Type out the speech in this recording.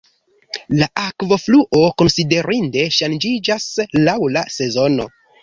La akvofluo konsiderinde ŝanĝiĝas laŭ la sezono.